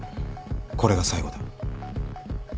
これが最後だ。